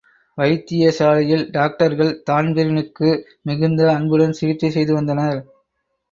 வைத்திய சாலையில் டாக்டர்கள் தான்பிரீனுக்கு மிகுந்த அன்புடன் சிகிச்சை செய்து வந்தனர்.